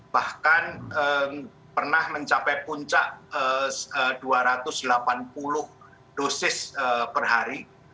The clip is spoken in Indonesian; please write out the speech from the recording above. bahkan pernah mencapai puncak dua ratus delapan puluh dosis per hari